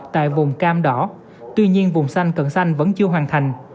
tại vùng cam đỏ tuy nhiên vùng xanh cận xanh vẫn chưa hoàn thành